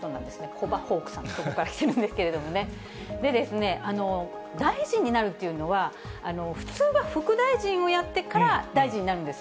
コバホークさん、ここから来てるんですけれども、でですね、大臣になるっていうのは、普通は副大臣をやってから大臣になるんです。